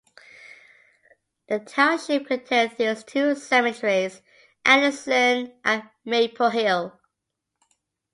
The township contains these two cemeteries: Anderson and Maple Hill.